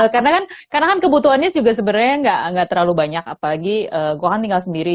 karena kan kebutuhannya juga sebenarnya nggak terlalu banyak apalagi gue kan tinggal sendiri